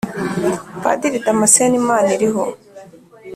Padiri damascene maniraho